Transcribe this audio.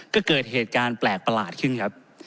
ก็เกิดเหตุการณ์แปลกประหลาดขึ้นครับ